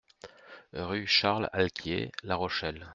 Rue Charles Alquier, La Rochelle